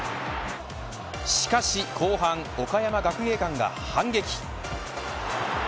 しかし後半、岡山学芸館が反撃。